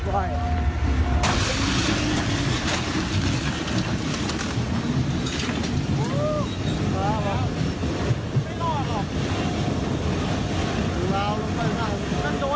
ไม่รอดเหรอ